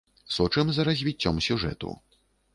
Сочым за развіццём сюжэту.